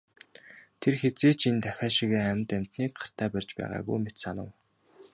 Тэр хэзээ ч энэ тахиа шигээ амьд амьтныг гартаа барьж байгаагүй мэт санав.